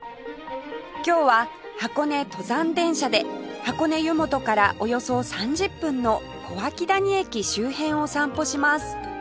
今日は箱根登山電車で箱根湯本からおよそ３０分の小涌谷駅周辺を散歩します